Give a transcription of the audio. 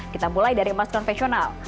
kita mulai dari emas konvensional